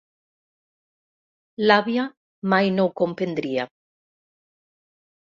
L'àvia mai no ho comprendria.